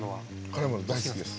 辛いもの大好きです。